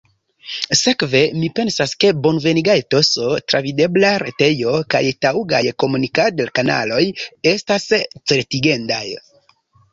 Sekve mi pensas ke bonveniga etoso, travidebla retejo kaj taŭgaj komunikadkanaloj estas certigendaj.